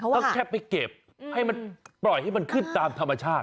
ก็แค่ไปเก็บให้มันปล่อยให้มันขึ้นตามธรรมชาติ